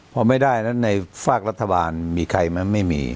พอไม่ได้แล้วในฝากรัฐบาลมีใครไหมไม่มี